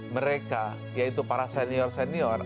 mereka yaitu para senior senior